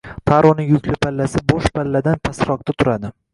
Taroning yukli pallasi bo’sh palladan pastroqda turadi.